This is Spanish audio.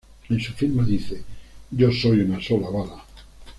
En su firma dice "Yo soy una sola bala.